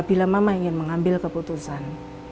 bila mama ingin mengambil keputusan